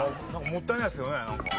もったいないですけどねなんか。